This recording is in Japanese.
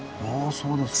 そうですか。